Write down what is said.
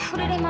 udah deh mama